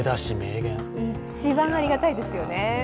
一番ありがたいですよね。